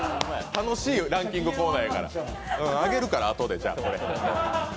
楽しいランキングコーナーやからあげるから、あとで、じゃあこれ。